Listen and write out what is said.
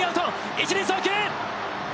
一塁送球。